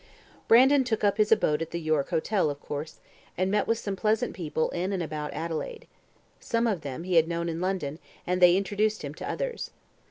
Brandon took up his abode at the York Hotel, of course, and met with some pleasant people in and about Adelaide. Some of them he had known in London, and they introduced him to others.